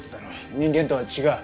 人間とは違う。